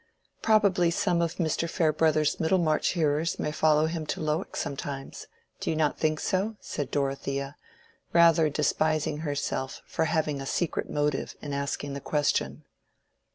"Probably some of Mr. Farebrother's Middlemarch hearers may follow him to Lowick sometimes. Do you not think so?" said Dorothea, rather despising herself for having a secret motive in asking the question.